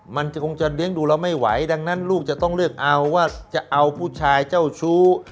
มันจะคงจะเลี้ยงดูเราไม่ไหวดังนั้นลูกจะต้องเลือกเอาว่าจะเอาผู้ชายเจ้าชู้